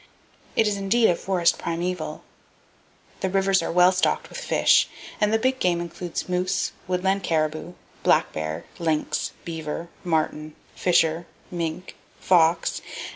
It is indeed a forest primeval. The [Page 355] rivers are well stocked with fish, and the big game includes moose, woodland caribou, black bear, lynx, beaver, marten, fisher, mink, fox, and—sad to say—the gray wolf.